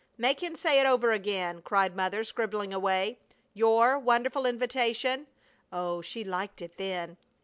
Make him say it over again!" cried Mother, scribbling away. "'Your wonderful invitation (Oh, she liked it, then!)